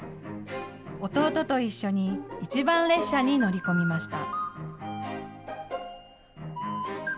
弟と一緒に一番列車に乗り込みました。